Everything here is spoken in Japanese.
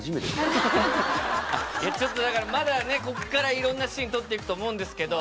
だからまだねこっからいろんなシーン撮っていくと思うんですけど。